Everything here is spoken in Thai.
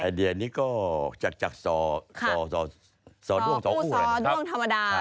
เดียนี้ก็จากสอด้วนสอด้วงธรรมดา